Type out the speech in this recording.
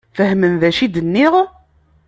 Fehmen d acu i d-nniɣ?